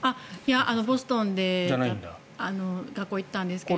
ボストンで学校に行っていたんですけど。